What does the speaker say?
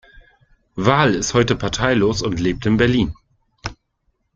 Wahl ist heute parteilos und lebt in Berlin.